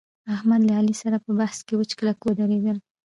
احمد له علي سره په بحث کې وچ کلک ودرېدل